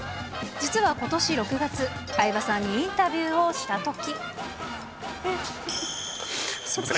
実はことし６月、相葉さんにインタビューをしたとき。